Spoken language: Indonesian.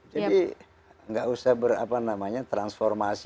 jadi gak usah ber transformasi